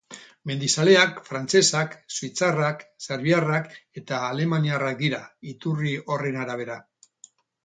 Mendizaleak frantzesak, suitzarrak, serbiarrak eta alemaniarrak dira, iturri horren arabera.